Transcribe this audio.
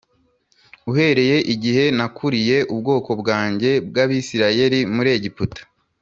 ‘Uhereye igihe nakuriye ubwoko bwanjye bw’Abisirayeli muri Egiputa